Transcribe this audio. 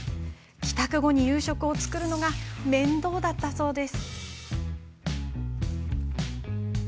帰宅後に夕食を作るのが面倒だったそうです。